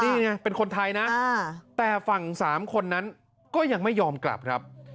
นี่ไงเป็นคนไทยนะแต่ฝั่งสามคนนั้นก็ยังไม่ยอมกลับครับ